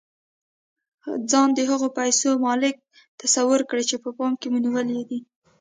ځان د هغو پيسو مالک تصور کړئ چې په پام کې مو نيولې دي.